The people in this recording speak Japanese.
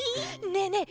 ねえねえ